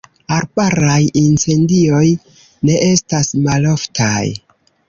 Arbaraj incendioj ne estas maloftaj.